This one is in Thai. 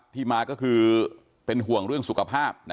ที่มาก็คือเป็นห่วงเรื่องสุขภาพ